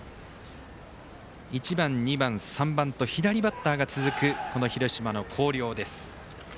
１番、２番、３番と左バッターが続く広島の広陵です。